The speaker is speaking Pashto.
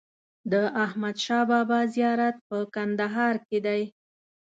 د احمدشاه بابا زیارت په کندهار کې دی.